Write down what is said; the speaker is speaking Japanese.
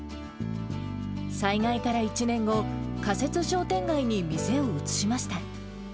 災害から１年後、仮設商店街に店を移しました。